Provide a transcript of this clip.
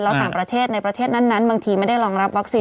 แล้วต่างประเทศในประเทศนั้นบางทีไม่ได้รองรับวัคซีน